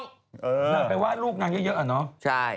นางไปว่าลูกนางเยอะอะเนาะ